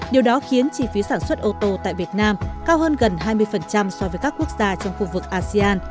điều đó khiến chi phí sản xuất ô tô tại việt nam cao hơn gần hai mươi so với các quốc gia trong khu vực asean